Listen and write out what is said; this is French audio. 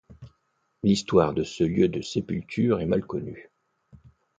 L'histoire de ce lieu de sépulture est mal connue.